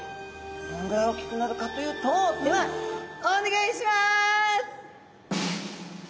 どんぐらいおっきくなるかというとではお願いします！